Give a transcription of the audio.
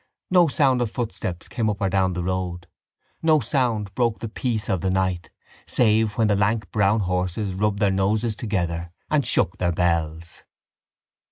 No sound of footsteps came up or down the road. No sound broke the peace of the night save when the lank brown horses rubbed their noses together and shook their bells.